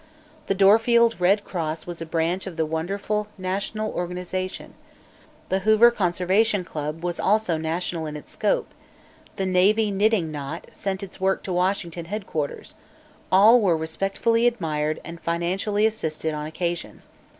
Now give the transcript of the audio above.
The Dorfield Red Cross was a branch of the wonderful national organization; the "Hoover Conservation Club" was also national in its scope; the "Navy League Knitting Knot" sent its work to Washington headquarters; all were respectfully admired and financially assisted on occasion.